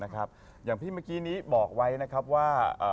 อย่างที่เมื่อกี้นี้บอกไว้นะครับว่า